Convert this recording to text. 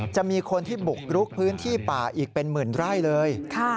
จะมีคนที่บุกรุกพื้นที่ป่าอีกเป็นหมื่นไร่เลย